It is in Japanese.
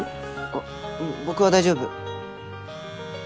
あっ僕は大丈夫。